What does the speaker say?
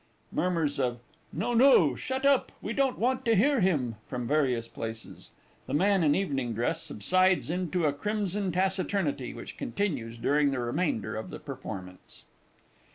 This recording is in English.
[Murmurs of "No no!" "Shut up!" "We don't want to hear him!" from various places; THE MAN IN EVENING DRESS subsides into a crimson taciturnity, which continues during the remainder of the performance.